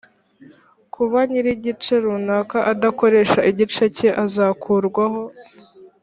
kuba nyir igice runaka adakoresha igice cye azakurwaho